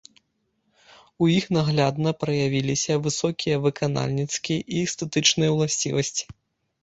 У іх наглядна праявіліся высокія выканальніцкія і эстэтычныя ўласцівасці.